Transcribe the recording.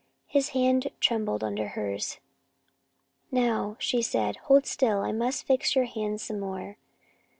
His hand trembled under hers. "Now," she said, "hold still. I must fix your hand some more."